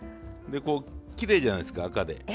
でこうきれいじゃないですか赤で。